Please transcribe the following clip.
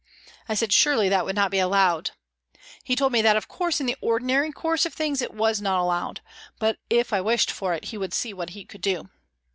I said surely that would not be allowed ! He told me that of course in the ordinary course of things it was not allowed, but, if I wished for it, he would see what he could do.